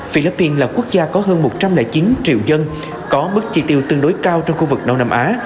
philippines là quốc gia có hơn một trăm linh chín triệu dân có mức chi tiêu tương đối cao trong khu vực đông nam á